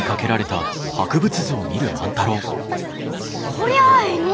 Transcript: こりゃあえいの！